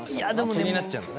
気になっちゃうんだね。